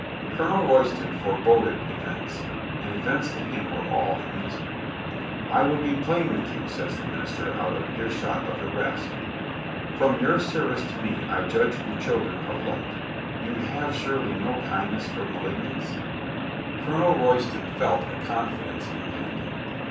Colonel Royston foreboded events, and events to him v/ere all amusing. "I would be plain with you," says the minister, out of earshot of the rest. "From your service to me I judge you children of light. You have surely no kindness for malignants?" THE INSPIRATION OF COLONEL STOW 27 Colonel Royston felt a confidence impending.